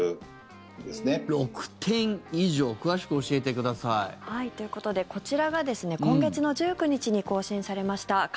詳しく教えてください。ということで、こちらが今月の１９日に更新されました